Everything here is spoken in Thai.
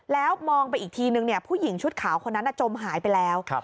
แล้วมองไปอีกทีนึงผู้หญิงชุดขาวคนนั้นจมหายไปแล้ว